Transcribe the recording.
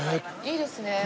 いいですね。